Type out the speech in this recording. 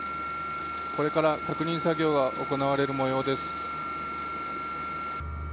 これから確認作業が行われる模様です。